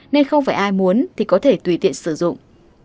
nên không phải ai muốn thì có thể tùy tiện sử dụng